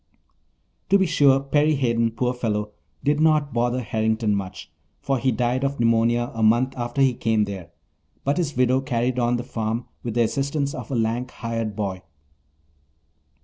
To be sure, Perry Hayden, poor fellow, did not bother Harrington much, for he died of pneumonia a month after he came there, but his widow carried on the farm with the assistance of a lank hired boy.